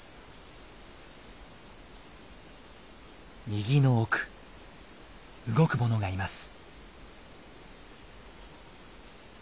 右の奥動くものがいます。